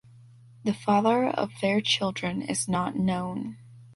The father of their children is not known.